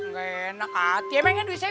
ga enak hati emangnya duit saya